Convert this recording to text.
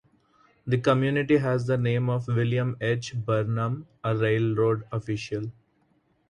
The community has the name of William H. Barnum, a railroad official.